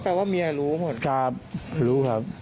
ก็แปลว่ามีรู้ปุ๊กนะครับ